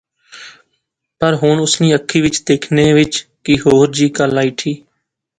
پر ہن اس نی اکھی وچ دیکھنے وچ کی ہور جئی کل آئی اٹھی